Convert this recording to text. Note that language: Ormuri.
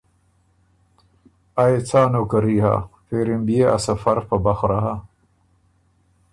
آ يې څا نوکري هۀ پېری م بيې ا سفر په بخرۀ هۀ